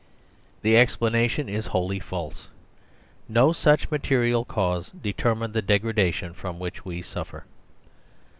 The explanation is wholly false. No such material cause determined the degradation from which we suffer.